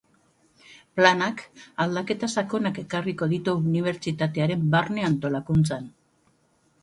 Planak aldaketa sakonak ekarriko ditu unibertsitatearen barne antolakuntzan.